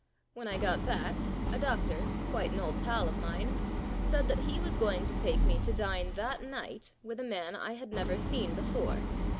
When I got back, a doctor, quite an old pal of mine, said that he was going to take me to dine that night with a man I had never seen before.